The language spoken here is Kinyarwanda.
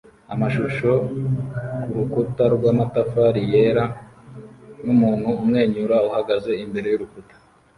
Amashusho kurukuta rwamatafari yera numuntu umwenyura uhagaze imbere yurukuta